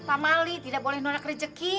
tamali tidak boleh nonak rejeki